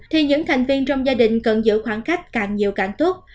thì những thành viên trong gia đình cần giữ khoảng cách càng nhiều càng tốt